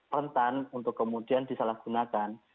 rentan untuk kemudian disalahgunakan